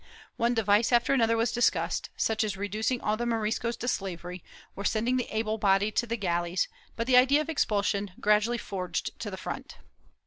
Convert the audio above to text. One device after another was discussed, such as reducing all the Moriscos to slavery, or sending the able bodied to the galleys, but the idea of expulsion gradually forged to the front.